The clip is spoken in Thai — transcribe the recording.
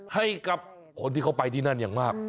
ให้กับคนที่เขาไปที่นั่นอย่างมาก